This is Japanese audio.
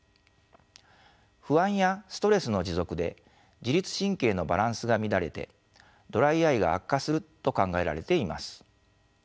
不安やストレスの持続で自律神経のバランスが乱れてドライアイが悪化すると考えられています。